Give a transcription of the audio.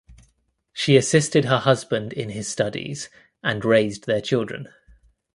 She assisted her husband in his studies and raised their children.